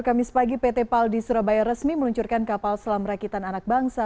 kamis pagi pt paldi surabaya resmi meluncurkan kapal selam rakitan anak bangsa